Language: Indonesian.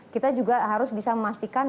kita juga harus bisa memastikan